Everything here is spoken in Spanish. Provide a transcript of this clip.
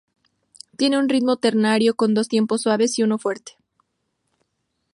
Tiene un ritmo ternario con dos tiempos suaves y uno fuerte.